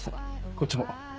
こっちも。